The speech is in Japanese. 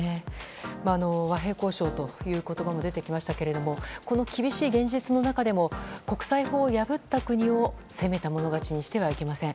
和平交渉という言葉も出てきましたがこの厳しい現実の中でも国際法を破った国を攻めたほう勝ちにしてはいけません。